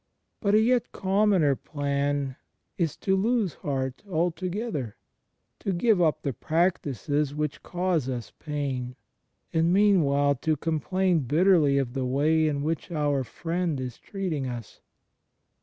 But a yet commoner plan is to lose heart altogether, to give up the practices which cause us pain, and meanwhile to complain bitterly of the way in which our Friend is treating us.